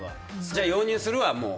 じゃあ容認するわ、もう。